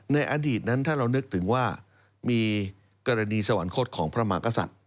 ในอดีตนั้นถ้าเรานึกถึงว่ามีกรณีสวรรคตของพระมากษัตริย์